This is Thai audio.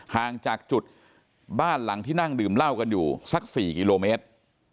ห่างจากจุดบ้านหลังที่นั่งดื่มเหล้ากันอยู่สัก๔กิโลเมตร